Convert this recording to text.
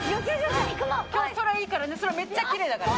今日空いいからね空めっちゃきれいだから。